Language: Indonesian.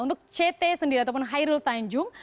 untuk ct sendiri ataupun hairul tanjung